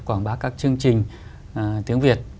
quảng bá các chương trình tiếng việt